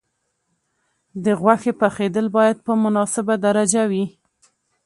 د غوښې پخېدل باید په مناسبه درجه وي.